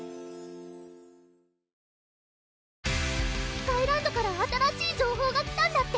スカイランドから新しい情報が来たんだって？